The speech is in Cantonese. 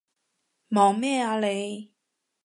望咩啊你？